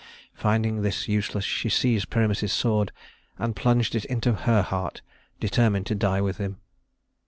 Finding this useless, she seized Pyramus's sword and plunged it into her heart determined to die with him.